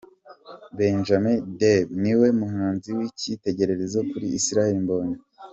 Benjamin Dube ni we muhanzi w'icyitegererezo kuri Israel Mbonyi.